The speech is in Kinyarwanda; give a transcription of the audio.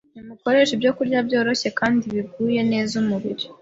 Nimukoreshe ibyokurya byoroshye kandi biguye neza umubiri.